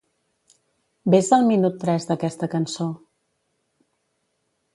Ves al minut tres d'aquesta cançó.